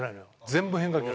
全部変化球。